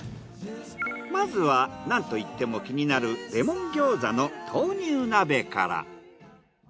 まずはなんといっても気になるレモン餃子の豆乳鍋から。